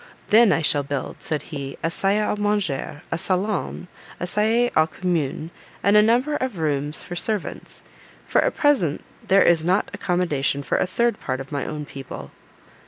"Then I shall build," said he, "a salle à manger, a salon, a salle au commune, and a number of rooms for servants; for at present there is not accommodation for a third part of my own people."